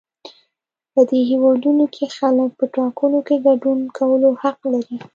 په دې هېوادونو کې خلک په ټاکنو کې ګډون کولو حق لري.